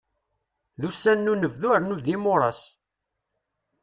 D ussan n unebdu rnu d imuras.